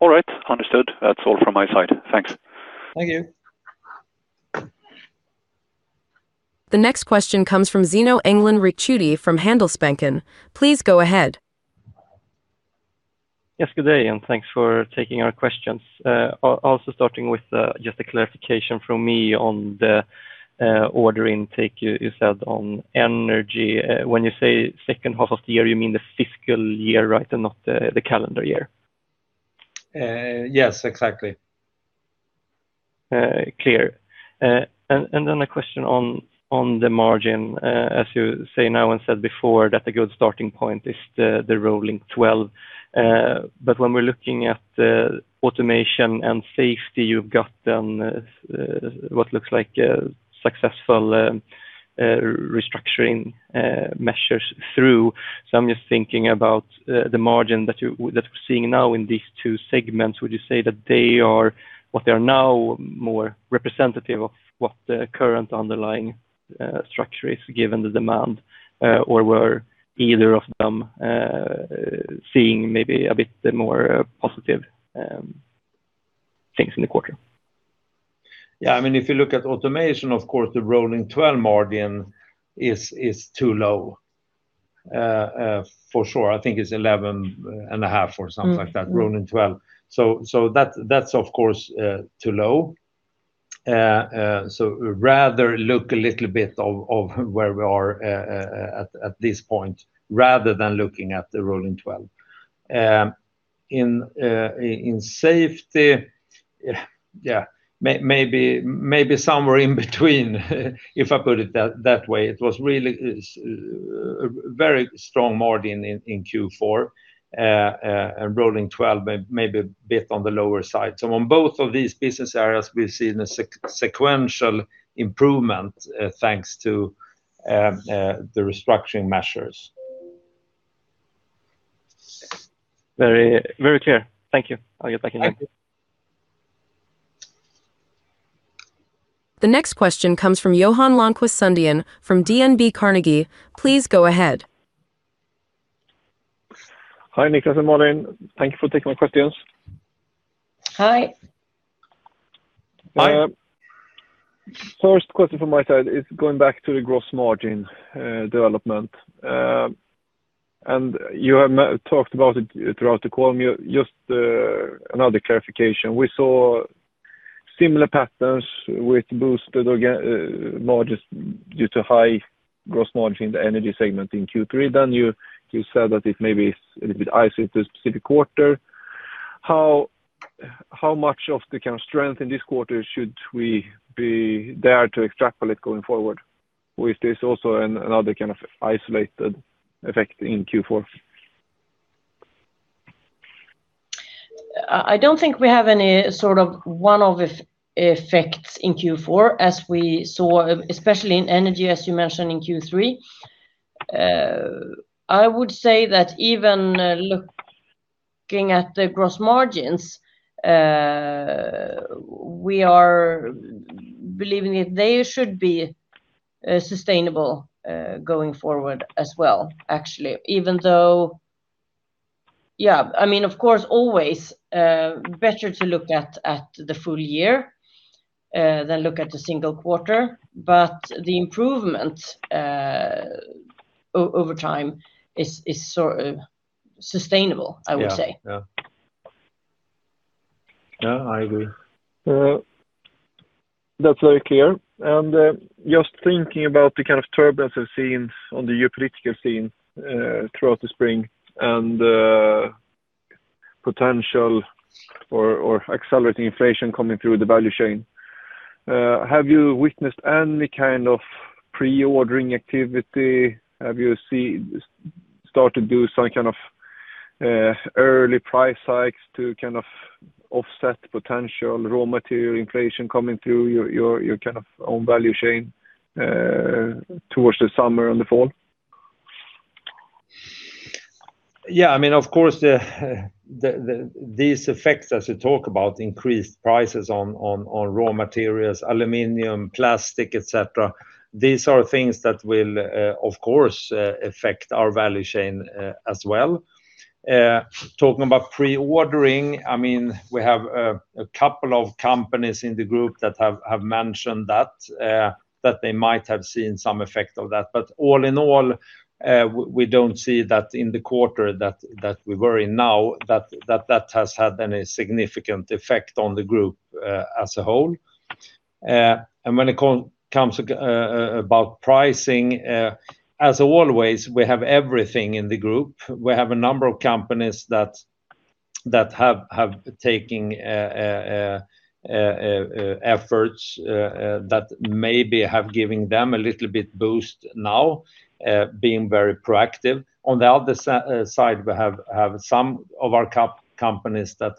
All right. Understood. That's all from my side. Thanks. Thank you. The next question comes from Zino Engdalen Ricciuti from Handelsbanken. Please go ahead. Yes, good day, thanks for taking our questions. Starting with just a clarification from me on the order intake you said on Energy. When you say second half of the year, you mean the fiscal year, right, and not the calendar year? Yes, exactly. Clear. A question on the margin. As you say now and said before, that the good starting point is the rolling 12, but when we're looking at Automation and Safety, you've got what looks like successful restructuring measures through. I'm just thinking about the margin that we're seeing now in these two segments. Would you say that what they are now more representative of what the current underlying structure is given the demand, or were either of them seeing maybe a bit more positive things in the quarter? If you look at Automation, of course, the rolling 12 margin is too low for sure. I think it's 11.5 or something like that, rolling 12. That's, of course, too low. Rather, look a little bit of where we are at this point rather than looking at the rolling 12. In Safety, maybe somewhere in between, if I put it that way. It was really a very strong margin in Q4 and rolling 12, maybe a bit on the lower side. On both of these business areas, we've seen a sequential improvement thanks to the restructuring measures. Very clear. Thank you. I'll get back in there. Thank you. The next question comes from Johan Lönnqvist Sundén from DNB Carnegie. Please go ahead. Hi, Niklas and Malin. Thank you for taking my questions. Hi. First question from my side is going back to the gross margin development. You have talked about it throughout the call. Just another clarification. We saw similar patterns with boosted margins due to high gross margin in the Energy segment in Q3. You said that it maybe is a little bit isolated to a specific quarter. How much of the kind of strength in this quarter should we be there to extrapolate going forward, or is this also another kind of isolated effect in Q4? I don't think we have any sort of one-off effects in Q4 as we saw, especially in Energy, as you mentioned, in Q3. I would say that even looking at the gross margins, we are believing that they should be sustainable going forward as well, actually, even though of course, always better to look at the full year than look at the single quarter, but the improvement over time is sustainable, I would say. I agree. That's very clear. Just thinking about the kind of turbulence we've seen on the geopolitical scene throughout the spring and potential or accelerating inflation coming through the value chain, have you witnessed any kind of pre-ordering activity? Have you started to do some kind of early price hikes to kind of offset potential raw material inflation coming through your kind of own value chain towards the summer and the fall? Of course, these effects that you talk about, increased prices on raw materials, aluminum, plastic, etc., these are things that will, of course, affect our value chain as well. Talking about pre-ordering, we have a couple of companies in the group that have mentioned that they might have seen some effect of that, but all in all, we don't see that in the quarter that we're in now that that has had any significant effect on the group as a whole. When it comes about pricing, as always, we have everything in the group. We have a number of companies that have taken efforts that maybe have given them a little bit boost now, being very proactive. On the other side, we have some of our companies that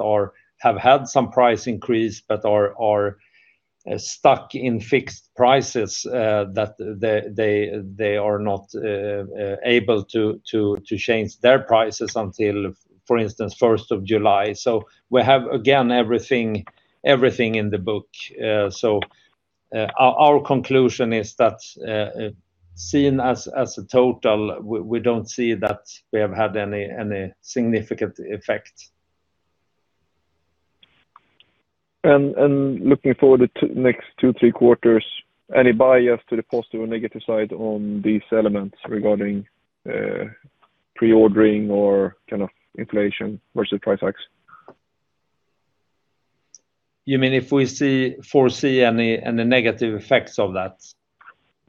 have had some price increase but are stuck in fixed prices that they are not able to change their prices until, for instance, 1st of July. We have, again, everything in the book. Our conclusion is that seen as a total, we don't see that we have had any significant effect. Looking forward to the next two, three quarters, any bias to the positive or negative side on these elements regarding pre-ordering or kind of inflation versus price hikes? If we foresee any negative effects of that?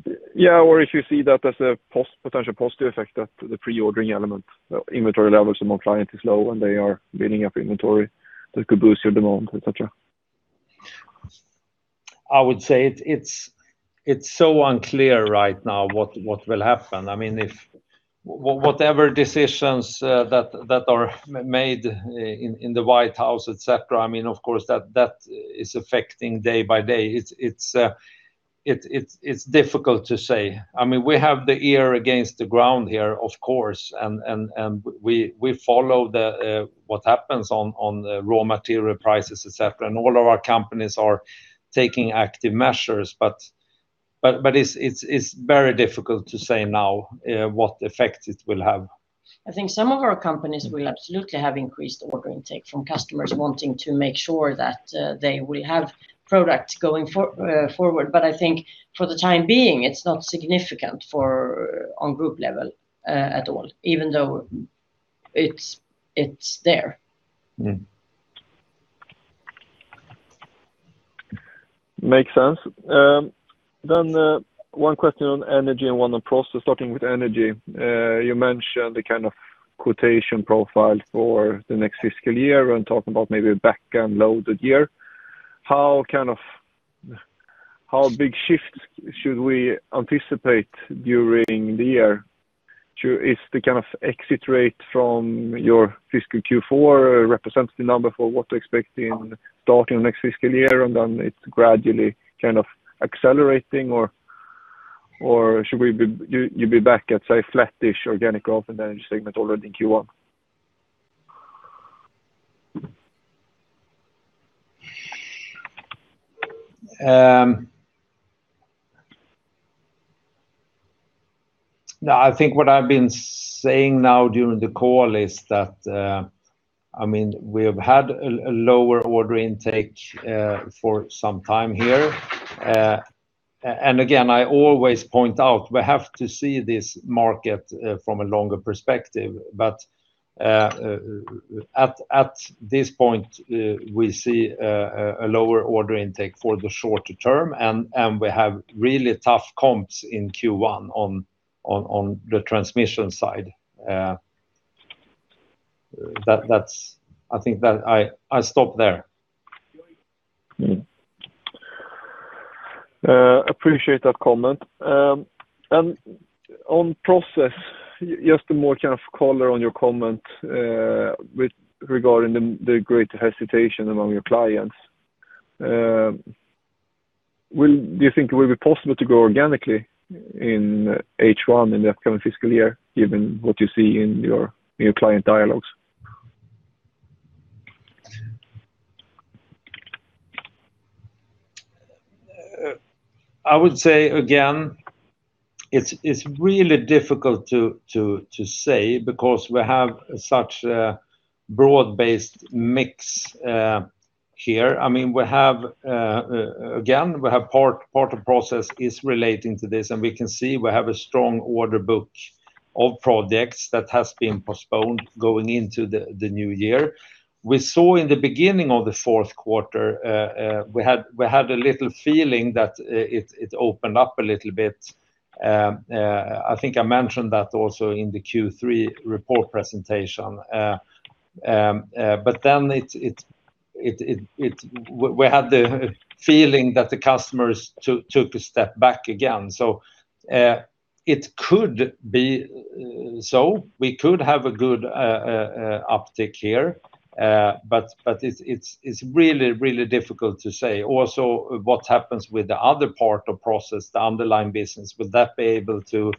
If you see that as a potential positive effect, that the pre-ordering element, inventory levels among clients is low and they are building up inventory that could boost your demand, etc.? I would say it's so unclear right now what will happen. Whatever decisions that are made in the White House, etc., of course, that is affecting day by day. It's difficult to say. We have the ear against the ground here, of course, and we follow what happens on raw material prices, etc., and all of our companies are taking active measures, but it's very difficult to say now what effect it will have. I think some of our companies will absolutely have increased order intake from customers wanting to make sure that they will have products going forward, but I think for the time being, it's not significant on group level at all, even though it's there. Makes sense. One question on Energy and one on Process, starting with Energy. You mentioned the kind of quotation profile for the next fiscal year and talking about maybe a backend loaded year. How big shifts should we anticipate during the year? Is the kind of exit rate from your fiscal Q4 a representative number for what to expect starting the next fiscal year and then it's gradually kind of accelerating, or should you be back at, say, flat-ish organic growth in the Energy segment already in Q1? I think what I've been saying now during the call is that we have had a lower order intake for some time here. Again, I always point out we have to see this market from a longer perspective, but at this point, we see a lower order intake for the shorter term, and we have really tough comps in Q1 on the transmission side. I think that I stop there. Appreciate that comment. On Process, just a more kind of color on your comment regarding the greater hesitation among your clients. Do you think it will be possible to go organically in H1 in the upcoming fiscal year given what you see in your client dialogues? I would say, again, it's really difficult to say because we have such a broad-based mix here. Again, part of Process is relating to this, and we can see we have a strong order book of projects that has been postponed going into the new year. We saw in the beginning of the fourth quarter, we had a little feeling that it opened up a little bit. Then we had the feeling that the customers took a step back again. It could be so. We could have a good uptick here, it's really, really difficult to say. What happens with the other part of process, the underlying business, will that be able to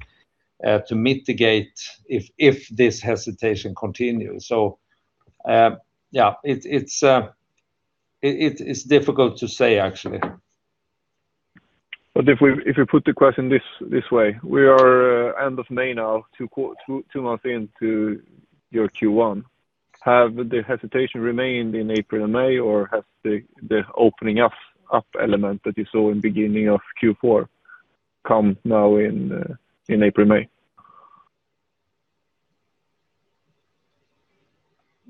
mitigate if this hesitation continues? It's difficult to say, actually. If we put the question this way, we are end of May now, 2 months into your Q1. Has the hesitation remained in April and May, or has the opening up element that you saw in the beginning of Q4 come now in April and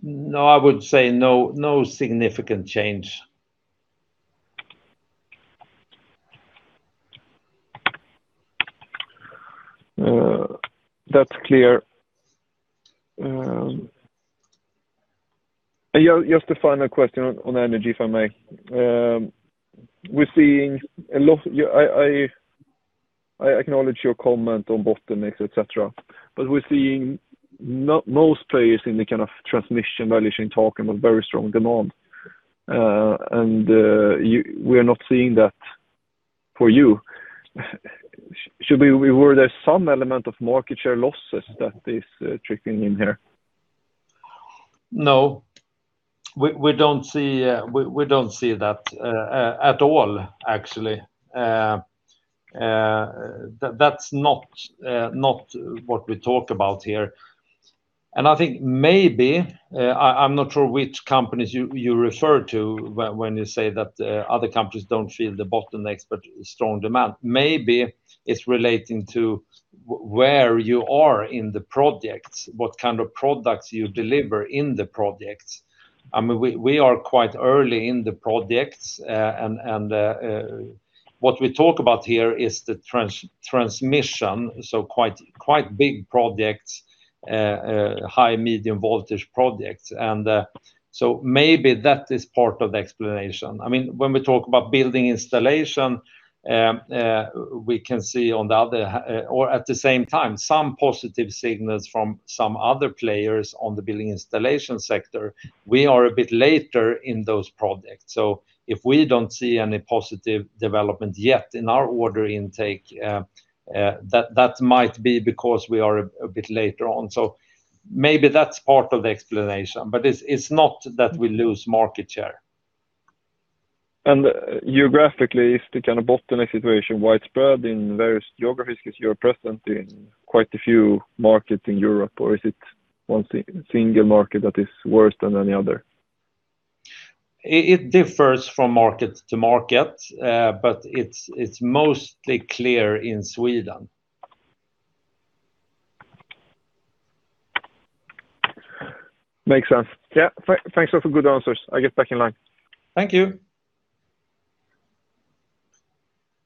May? I would say no significant change. That's clear. Just a final question on Energy, if I may. I acknowledge your comment on bottlenecks, etc., but we're seeing most players in the kind of transmission value chain talking about very strong demand, and we are not seeing that for you. Were there some element of market share losses that is trickling in here? We don't see that at all, actually. That's not what we talk about here. I think maybe I'm not sure which companies you refer to when you say that other companies don't feel the bottlenecks but strong demand. It's relating to where you are in the projects, what kind of products you deliver in the projects. We are quite early in the projects, and what we talk about here is the transmission, quite big projects, high, medium voltage projects. That is part of the explanation. When we talk about building installation, we can see on the other or at the same time, some positive signals from some other players on the building installation sector. We are a bit later in those projects. If we don't see any positive development yet in our order intake, that might be because we are a bit later on. Maybe that's part of the explanation, it's not that we lose market share. Geographically, is the kind of bottleneck situation widespread in various geographies because you are present in quite a few markets in Europe, or is it one single market that is worse than any other? It differs from market to market, it's mostly clear in Sweden. Makes sense. Thanks all for good answers. I'll get back in line. Thank you.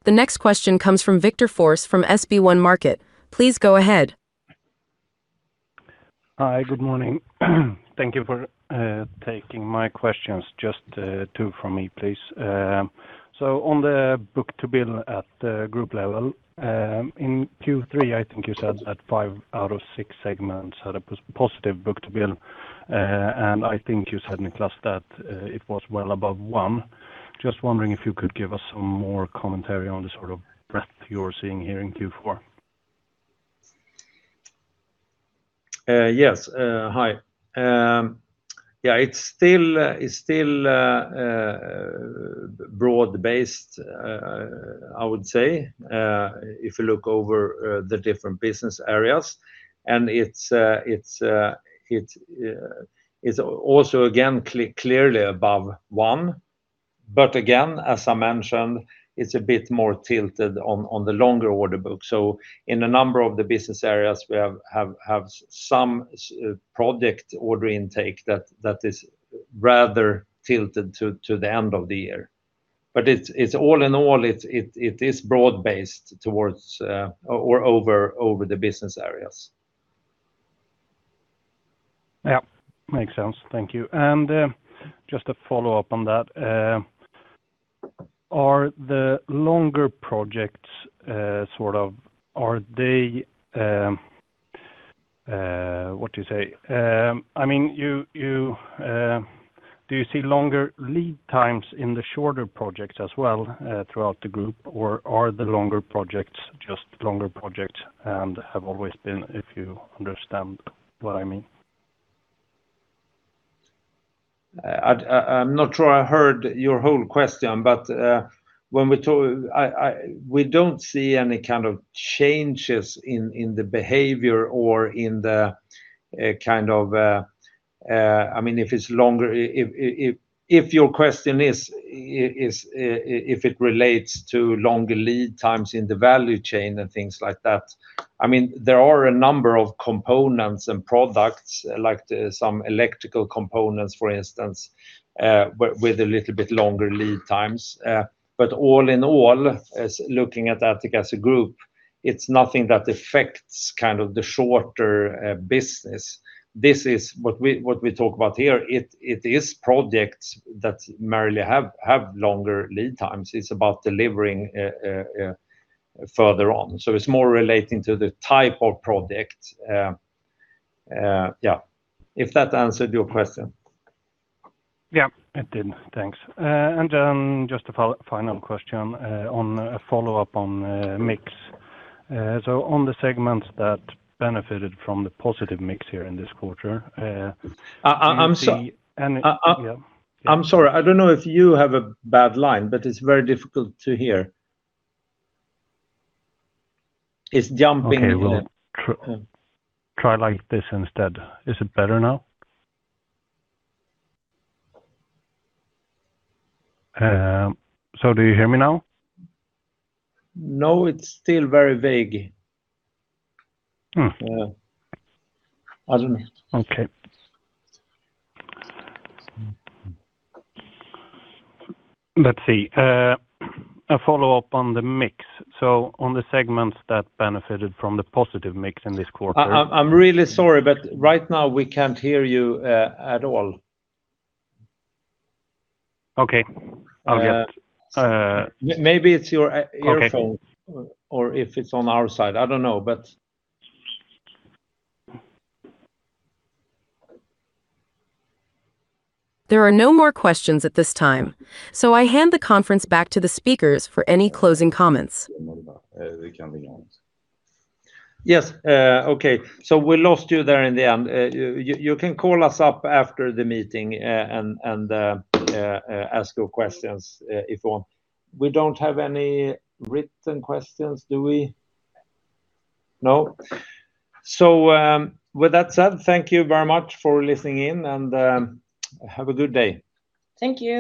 The next question comes from Viktor Forss from SB1 Markets. Please go ahead. Hi, good morning. Thank you for taking my questions. Just two from me, please. On the book-to-bill at the group level, in Q3, I think you said that five out of six segments had a positive book-to-bill, and I think you said, Niklas, that it was well above 1x. Just wondering if you could give us some more commentary on the sort of breadth you're seeing here in Q4. Yes. Hi. It's still broad-based, I would say, if you look over the different business areas, and it's also, again, clearly above 1x. Again, as I mentioned, it's a bit more tilted on the longer order book. In a number of the business areas, we have some project order intake that is rather tilted to the end of the year, but all in all, it is broad-based towards or over the business areas. Makes sense. Thank you. Just to follow up on that, are the longer projects, are they what do you say? Do you see longer lead times in the shorter projects as well throughout the group, or are the longer projects just longer projects and have always been, if you understand what I mean? When we talk, we don't see any kind of changes in the behavior or in the kind of if it's longer if your question is if it relates to longer lead times in the value chain and things like that, there are a number of components and products, like some electrical components, for instance, with a little bit longer lead times. All in all, looking at that as a group, it's nothing that affects kind of the shorter business. This is what we talk about here. It is projects that merely have longer lead times. It's about delivering further on. It's more relating to the type of project. If that answered your question. It did. Thanks. Just a final question on a follow-up on mix. On the segments that benefited from the positive mix here in this quarter, would be any. I'm sorry. I don't know if you have a bad line, but it's very difficult to hear. It's jumping. Okay. Try like this instead. Is it better now? Do you hear me now? No, it's still very vague. I don't know. Let's see. A follow-up on the mix. On the segments that benefited from the positive mix in this quarter. I'm really sorry, right now, we can't hear you at all. Maybe it's your earphones or if it's on our side. I don't know. There are no more questions at this time, so I hand the conference back to the speakers for any closing comments. Yes. We lost you there in the end. You can call us up after the meeting and ask your questions if you want. We don't have any written questions, do we? No? With that said, thank you very much for listening in and have a good day. Thank you.